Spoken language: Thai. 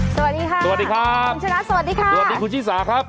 สวัสดีค่ะสวัสดีครับคุณชนะสวัสดีค่ะสวัสดีคุณชิสาครับ